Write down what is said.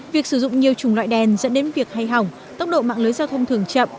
việc sử dụng nhiều chủng loại đèn dẫn đến việc hay hỏng tốc độ mạng lưới giao thông thường chậm